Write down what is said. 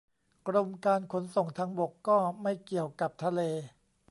กรมการขนส่งทางบกก็ไม่เกี่ยวกับทะเล